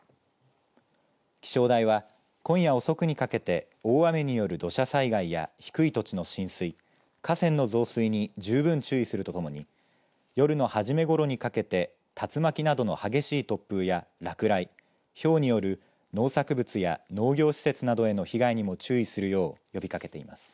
気象台は今夜、遅くにかけて大雨による土砂災害や低い土地の浸水河川の増水に十分注意するとともに夜のはじめごろにかけて竜巻などの激しい突風や落雷ひょうによる農作物や農業施設などへの被害にも注意するよう呼びかけています。